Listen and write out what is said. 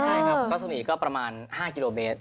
ใช่ครับรัศนีก็ประมาณ๕กิโลเมตร